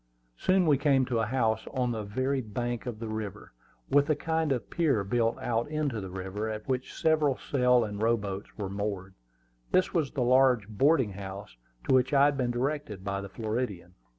Soon we came to a house, on the very bank of the river, with a kind of pier built out into the river, at which several sail and row boats were moored. This was the large boarding house to which I had been directed by the Floridian.